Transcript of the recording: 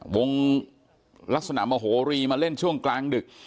วงลักษณะมโหรีมาเล่นช่วงกลางดึก